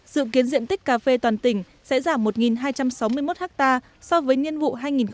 sự kiến diện tích cà phê toàn tỉnh sẽ giảm một hai trăm sáu mươi một ha so với nhiên vụ hai nghìn một mươi sáu hai nghìn một mươi bảy